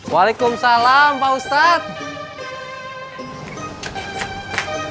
waalaikumsalam pak ustadz